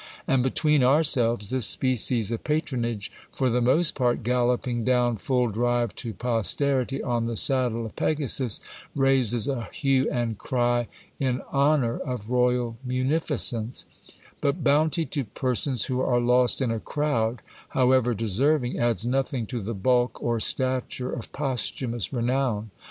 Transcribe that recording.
And between ourselves, this species of patronage, for the most part galloping down full drive to posterity on the saddle of Pegasus, raises a hue and cry in honour of royal munificence ; but bounty to persons who are lost in a crowd, however deserving, adds nothing to the bulk or stature of posthumous renown.